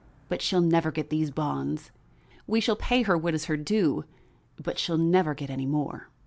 But she'll never get these bonds; we shall pay her what is her due, but she'll never get any more."